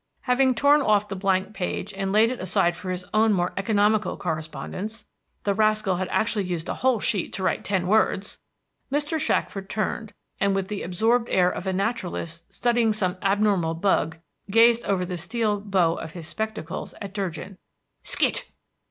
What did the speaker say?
Having torn off the blank page and laid it aside for his own more economical correspondence (the rascal had actually used a whole sheet to write ten words!), Mr. Shackford turned, and with the absorbed air of a naturalist studying some abnormal bug gazed over the steel bow of his spectacles at Durgin. "Skit!"